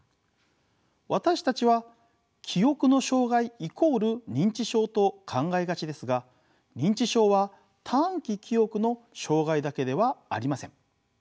私たちは記憶の障害イコール認知症と考えがちですが認知症は短期記憶の障害だけではありません。